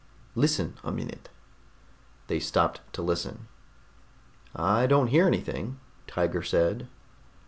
"Listen a minute." They stopped to listen. "I don't hear anything," Tiger said.